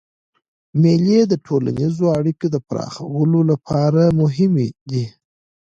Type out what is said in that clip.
مېلې د ټولنیزو اړیکو د پراخولو له پاره مهمي دي.